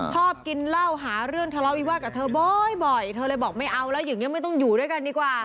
ชอบกินเหล้าหาเรื่องทะเลาะวิวาสกับเธอบ่อยเธอเลยบอกไม่เอาแล้วอย่างนี้ไม่ต้องอยู่ด้วยกันดีกว่า